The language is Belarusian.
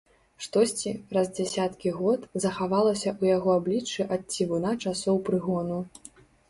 Штосьці, праз дзесяткі год, захавалася ў яго абліччы ад цівуна часоў прыгону.